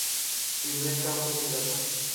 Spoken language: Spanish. Primer campo plata.